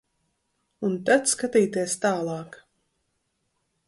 Un tad skatīties tālāk.